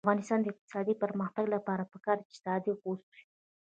د افغانستان د اقتصادي پرمختګ لپاره پکار ده چې صادق اوسو.